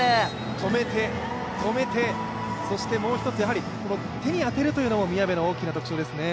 止めて、止めてもう１つ、手に当てるというのも宮部の特徴ですね。